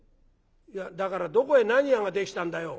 「いやだからどこへ何屋ができたんだよ？」。